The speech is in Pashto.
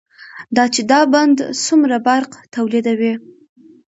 دا چې دا بند څومره برق تولیدوي،